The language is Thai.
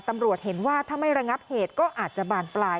ตำรวจเห็นว่าถ้าไม่ระงับเหตุก็อาจจะบานปลาย